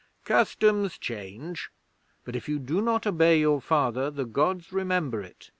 'Customs change; but if you do not obey your Father, the Gods remember it.